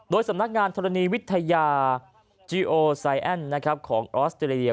โดยสำนักงานธรณีวิทยาจีโอไซแอนด์ของออสเตรเลีย